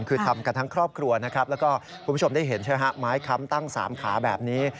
คือทำกันทั้งครอบครัวและคุณผู้ชมได้เห็นไม้ค้ำตั้งสามขาแบบนี้